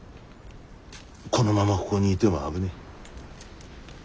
このままここにいても危ねえ。